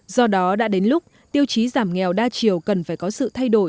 do đó đã đến lúc tiêu chí giảm nghèo đa chiều cần phải có sự thay đổi